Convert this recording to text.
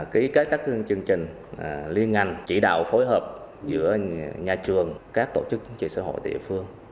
ký kết các chương trình liên ngành chỉ đạo phối hợp giữa nhà trường các tổ chức chính trị xã hội địa phương